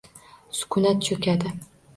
Sukunat cho‘kadi.